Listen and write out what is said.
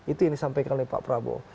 itu yang disampaikan oleh pak prabowo